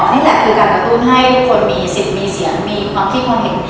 นี่คือการกระตุ้นให้คนมีสิทธิ์มีเสียงมีความคิดความเห็น